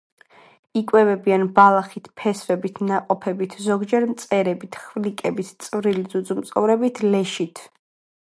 იკვებებიან ბალახით, ფესვებით, ნაყოფებით, ზოგჯერ მწერებით, ხვლიკებით, წვრილი ძუძუმწოვრებით, ლეშით.